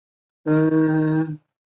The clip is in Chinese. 结果没啥可以看